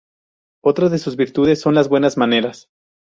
Otra de sus virtudes son las buenas maneras.